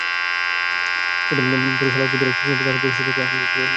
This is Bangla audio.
পরে স্মারকলিপির একটি অনুলিপি তাঁরা পুলিশ সুপার আনিছুর রহমানের কাছে দেন।